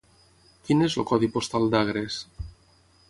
Quin és el codi postal d'Agres?